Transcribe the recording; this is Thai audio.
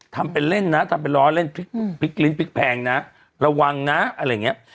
ทำเป็นเล่นนะทำเป็นล้อเล่นพริกลิ้นพริกแพงนะระวังนะอะไรอย่างนี้